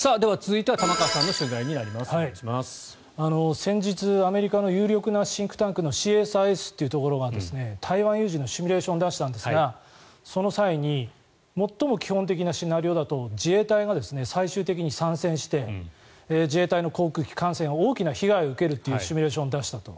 先日、アメリカの有力なシンクタンクのＣＳＩＳというところが台湾有事のシミュレーションを出したんですがその際に最も基本的なシナリオだと自衛隊が最終的に参戦して自衛隊の航空機、艦船は大きな被害を受けるというシミュレーションを出したと。